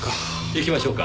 行きましょうか。